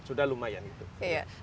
sudah lumayan gitu